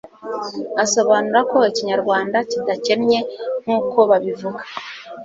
asobanura ko ikinyarwanda kidakennye nkukobabivuga